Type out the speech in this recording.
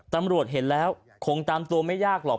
ตำรวจเห็นแล้วคงตามตัวไม่ยากหรอก